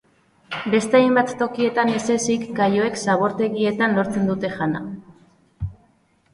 Beste hainbat tokietan ez ezik, kaioek zabortegietan lortzen dute jana.